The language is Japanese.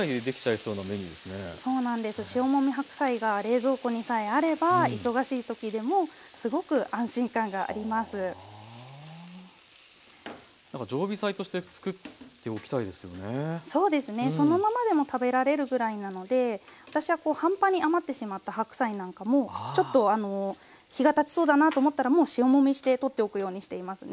そうですねそのままでも食べられるぐらいなので私はこう半端に余ってしまった白菜なんかもちょっとあの日がたちそうだなと思ったらもう塩もみして取っておくようにしていますね。